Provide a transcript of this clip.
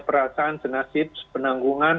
perasaan senasib penanggungan